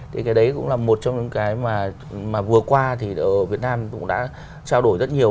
thì cái đấy cũng là một trong những cái mà vừa qua thì ở việt nam cũng đã trao đổi rất nhiều